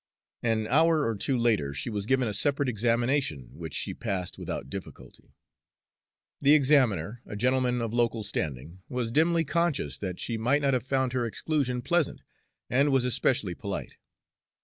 An hour or two later she was given a separate examination, which she passed without difficulty. The examiner, a gentleman of local standing, was dimly conscious that she might not have found her exclusion pleasant, and was especially polite.